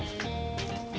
kembali ke rumah kamil